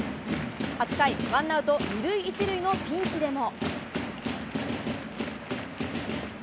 ８回、ワンアウト２塁１塁のピンチでも。